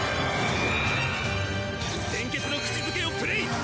鮮血の口付けをプレイ！